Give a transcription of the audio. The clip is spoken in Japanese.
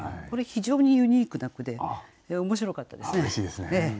これ非常にユニークな句で面白かったですね。